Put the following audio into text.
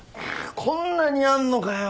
こんなにあんのかよ。